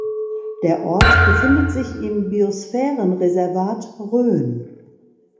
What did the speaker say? Der Ort befindet sich im Biosphärenreservat Rhön.